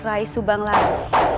untuk mencari rai